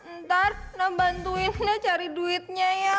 ntar ngebantuinnya cari duitnya ya